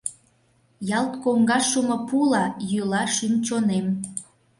Ялт коҥгаш шумо пула йӱла шӱм-чонем.